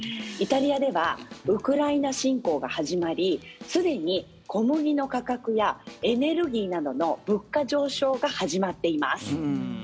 イタリアではウクライナ侵攻が始まりすでに小麦の価格やエネルギーなどの物価上昇が始まっています。